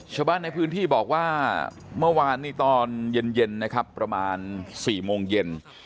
ชาวบ้านในพื้นที่บอกว่าเมื่อวานนี้ตอนเย็นนะครับประมาณ๔โมงเย็น